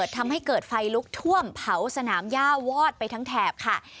ทำให้เกิดไฟลุกท่วมเผาสนามย่าวอดไปทั้งแถบค่ะ